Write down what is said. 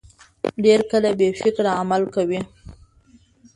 ډېر کله بې فکره عمل کوي.